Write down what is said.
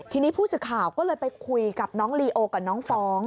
ทีนี้ผู้สื่อข่าวก็เลยไปคุยกับน้องลีโอกับน้องฟ้อง